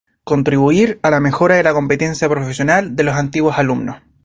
Contribuir a la mejora de la competencia profesional de los antiguos alumnos.